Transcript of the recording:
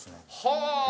はあ。